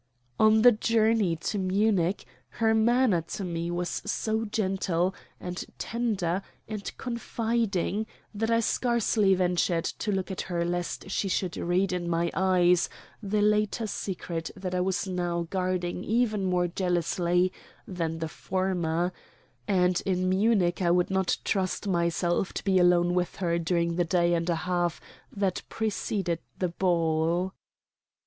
On the journey to Munich her manner to me was so gentle, and tender, and confiding that I scarcely ventured to look at her lest she should read in my eyes the later secret that I was now guarding even more jealously than the former; and in Munich I would not trust myself to be alone with her during the day and a half that preceded the ball.